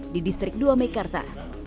di distrik dua mekarta